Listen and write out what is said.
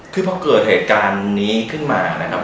คือพอเกิดเหตุการณ์นี้ขึ้นมานะครับ